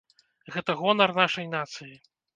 Гэта гонар нашай нацыі.